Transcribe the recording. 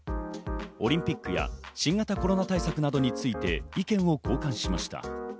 オリンピックや新型コロナ対策などについて意見を交換しました。